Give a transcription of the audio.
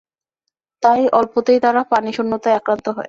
তাই অল্পতেই তারা পানিশূন্যতায় আক্রান্ত হয়।